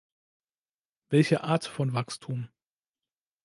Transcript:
Welcher Art von Wachstum?